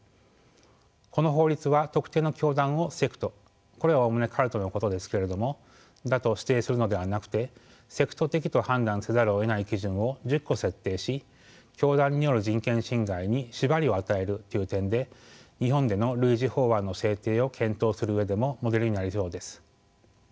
この法律は特定の教団をセクトこれはおおむねカルトのことですけれどもだと指定するのではなくてセクト的と判断せざるをえない基準を１０個設定し教団による人権侵害に縛りを与えるという点で日本での類似法案の制定を検討する上でもモデルになりそうです。